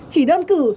chỉ đơn cử